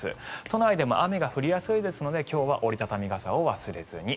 都内でも雨が降りやすいので今日は折り畳み傘を忘れずに。